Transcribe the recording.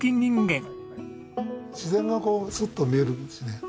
自然がこうスッと見えるんですね。